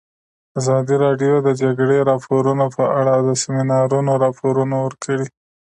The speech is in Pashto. ازادي راډیو د د جګړې راپورونه په اړه د سیمینارونو راپورونه ورکړي.